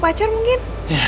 bawa pacar mungkin